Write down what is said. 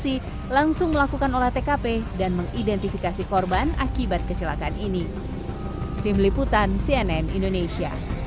sebonjeruk yang tiba di lokasi langsung melakukan olah tkp dan mengidentifikasi korban akibat kecelakaan ini